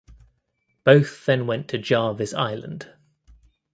Both then went to Jarvis Island.